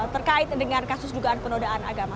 terkait dengan kasus dugaan penodaan agama